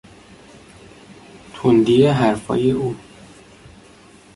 تندی حرفهای او